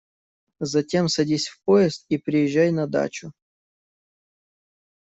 Затем садись в поезд и приезжай на дачу…